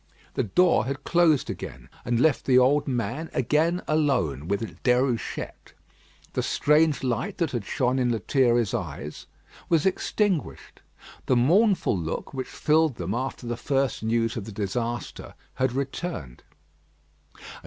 The door had closed again, and left the old man again alone with Déruchette. The strange light that had shone in Lethierry's eyes was extinguished. The mournful look which filled them after the first news of the disaster had returned.